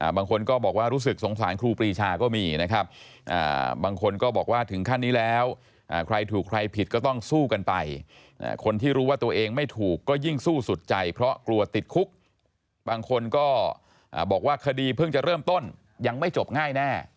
บางคนก็บอกว่ารู้สึกสงสารครูปรีชาก็มีนะครับบางคนก็บอกว่าถึงขั้นนี้แล้วใครถูกใครผิดก็ต้องสู้กันไปคนที่รู้ว่าตัวเองไม่ถูกก็ยิ่งสู้สุดใจเพราะกลัวติดคุกบางคนก็บอกว่าคดีเพิ่งจะเริ่มต้นยังไม่จบง่ายแน่